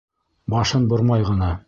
Башын бормай ғына: